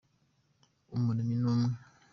umuremyi ni umwe.